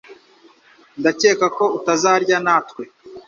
Ndakeka ko utazarya natwe